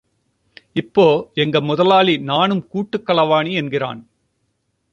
இப்போ, எங்க முதலாளி நானும் கூட்டுக் களவாணி என்கிறான்.